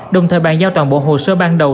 đồng thời bàn giao toàn bộ hồ sơ ban đầu